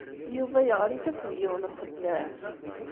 Yuba yeɣli-d akked yiwen n uxeddaɛ.